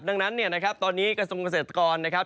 ดังนั้นเนี่ยนะครับตอนนี้กระทรวงเกษตรกรนะครับ